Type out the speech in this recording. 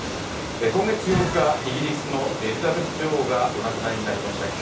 今月８日、イギリスのエリザベス女王がお亡くなりになりました。